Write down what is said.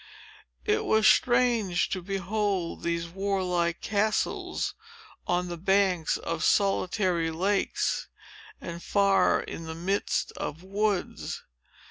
It was strange to behold these warlike castles, on the banks of solitary lakes, and far in the midst of woods.